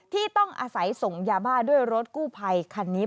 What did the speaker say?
ที่ต้องอาศัยส่งยาบ้าด้วยรถกู้ภัยคันนี้